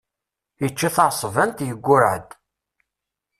Yečča taεeṣbant, yeggurreε-d.